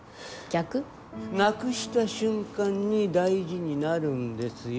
なくした瞬間に大事になるんですよ。